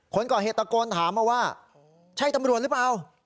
คนก่อเหตุตะโกนถามมาว่าใช่ตำรวจหรือเปล่า